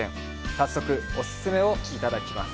早速、お勧めをいただきます。